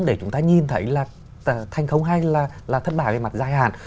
để chúng ta nhìn thấy là thành công hay là thất bại về mặt dài hạn